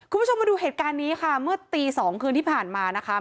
คุณผู้ชมมาดูเหตุการณ์นี้ค่ะเมื่อตีสองคืนที่ผ่านมานะคะ